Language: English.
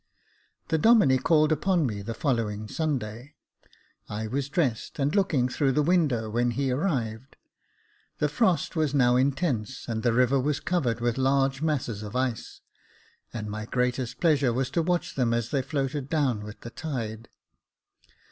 The Domine called upon me the following Sunday. I was dressed and looking through the window when he arrived. The frost was now intense, and the river was covered with large masses of ice, and my greatest pleasure was to watch them as they floated down with the tide.